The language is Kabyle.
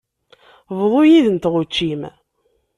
Bḍu yid-nteɣ učči-m.